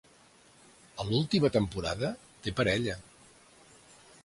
A l'última temporada té parella.